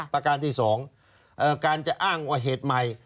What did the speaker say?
ประการที่๒การจะอ้างว่าเหตุใหม่